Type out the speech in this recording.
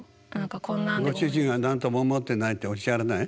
ご主人は何とも思ってないっておっしゃらない？